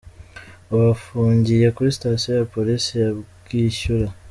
Ubu afungiye kuri station ya police ya Bwishyura.